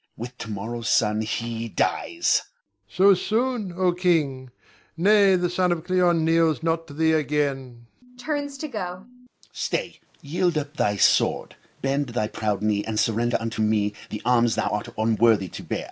With to morrow's sun, he dies. Ion. So soon, O king! nay, the son of Cleon kneels not to thee again [turns to go]. Moh'd. Stay, yield up thy sword! Bend thy proud knee, and surrender unto me the arms thou art unworthy now to bear.